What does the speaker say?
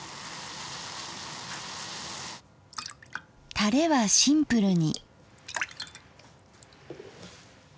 タレはシンプルに。